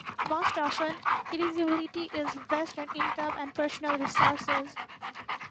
Most often, eligibility is based on income and personal resources.